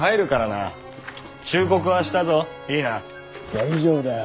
大丈夫だよ。